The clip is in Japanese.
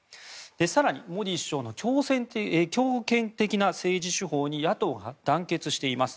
更にモディ首相の強権的な政治手法に野党が団結しています。